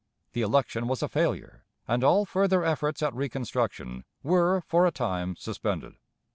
The election was a failure, and all further efforts at reconstruction were for a time suspended.